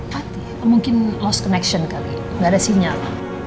bati mungkin lost connection kali ga ada sinyal